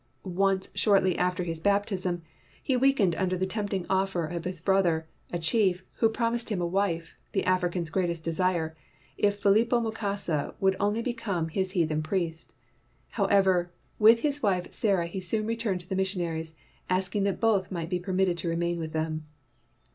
Once shortly after his baptism, he weakened 163 WHITE MAN OF WORK under the tempting offer of his brother, a chief, who promised him a wife, the Afri can's great desire, if Philipo Mukasa would only become his heathen priest. However, with his wife Sarah he soon returned to the missionaries, asking that both might be per mitted to remain with them.